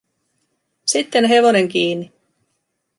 Sitten hevonen kiinni.